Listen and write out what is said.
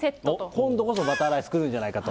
今度こそバターライス、くるんじゃないかと。